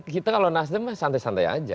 kita kalau nasdem mah santai santai aja